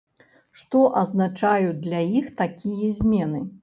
Што азначаюць для іх такія змены?